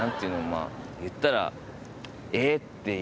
まあ言ったら。